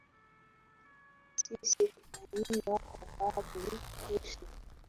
Sisi tutaenda kwa babu kesho